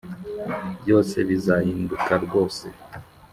´ byose bizahinduka rwose